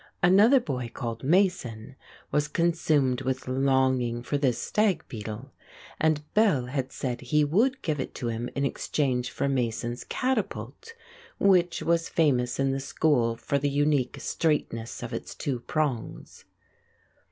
Another boy called Mason was consumed with longing for this stag beetle; and Bell had said he would give it to him in exchange for Mason's catapult, which was famous in the school for the unique straightness of its two prongs.